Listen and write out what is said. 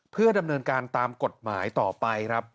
เพื่อดำเนินการตามกฎหมายต่อไปครับ